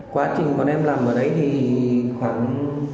quá trình còn em làm ở đấy thì khoảng